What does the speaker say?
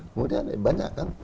kemudian banyak kan